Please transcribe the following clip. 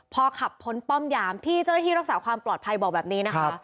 พอขับพ้นป้อมยามพี่เจ้าหน้าที่รักษาความปลอดภัยบอกแบบนี้นะคะ